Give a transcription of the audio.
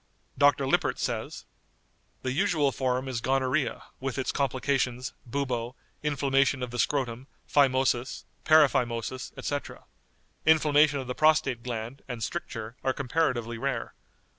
Dr. Lippert says: "The usual form is gonorrhoea, with its complications, bubo, inflammation of the scrotum, phymosis, paraphymosis, etc. Inflammation of the prostate gland, and stricture, are comparatively rare.